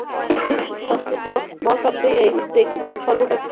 সংস্কৃত মহাকাব্যে এই উদ্বেগ সর্বব্যাপী।